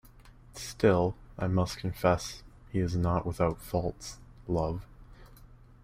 Still, I must confess he is not without faults, love.